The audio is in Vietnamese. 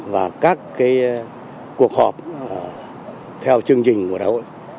và các cuộc họp theo chương trình của đại hội